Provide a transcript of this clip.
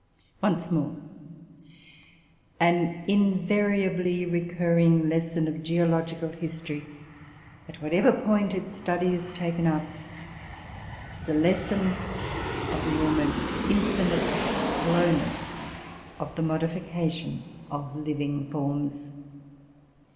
Once more, an invariably recurring lesson of geological history, at whatever point its study is taken up: the lesson of the almost infinite slowness of the modification of living forms.